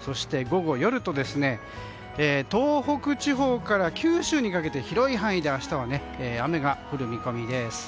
そして午後、夜と東北地方から九州にかけて広い範囲で明日は雨が降る見込みです。